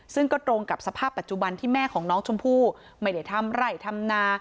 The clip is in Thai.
ซึ่งก็ตรงกับสภาพปัจจุบันที่แม่ของน้องชมพู่ไม่ได้ทำไร่ทำนา